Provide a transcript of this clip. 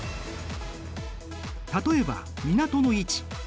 例えば港の位置。